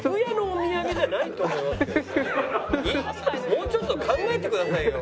もうちょっと考えてくださいよ。